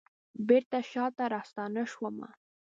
بیرته شاته راستنه شومه